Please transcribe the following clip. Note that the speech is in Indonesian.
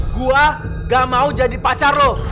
gue gak mau jadi pacar loh